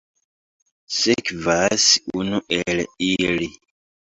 Sekvas unu el ili.